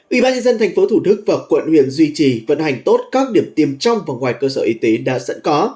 ủy ban dân dân thành phố thủ đức và quận huyền duy trì vận hành tốt các điểm tiêm trong và ngoài cơ sở y tế đã sẵn có